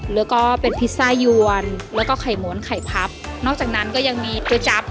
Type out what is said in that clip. แล้วก็เป็นพิซซ่ายวนแล้วก็ไข่ม้วนไข่พับนอกจากนั้นก็ยังมีก๋วยจับ